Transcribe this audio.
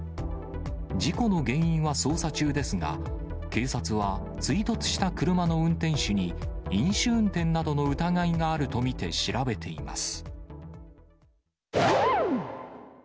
事故の原因は捜査中ですが、警察は追突した車の運転手に飲酒運転などの疑いがあると見て調べています。